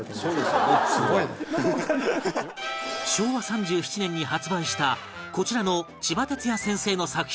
昭和３７年に発売したこちらのちばてつや先生の作品